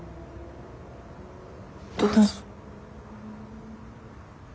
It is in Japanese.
どうぞ。